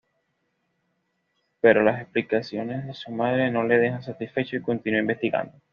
Pero las explicaciones de su madre no le dejan satisfecho y continúa investigando.